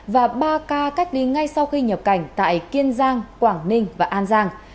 và ba ca cách ly ngay sau khi nhập cảnh tại kiên giang quảng ninh và an giang